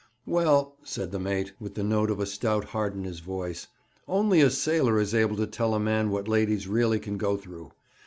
'Well,' said the mate, with the note of a stout heart in his voice, 'only a sailor is able to tell a man what ladies really can go through.